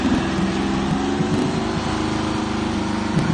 The location of the park is the site of the Treaty of Holston.